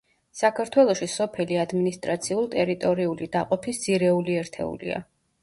საქართველოში სოფელი ადმინისტრაციულ-ტერიტორიული დაყოფის ძირეული ერთეულია.